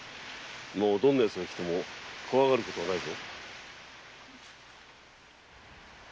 もうどんなヤツが来ても怖がることはないぞ。